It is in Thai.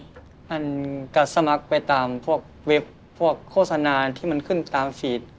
มันก็สมัครไปตามพวกเว็บพวกโฆษณาที่มันขึ้นตามฟีด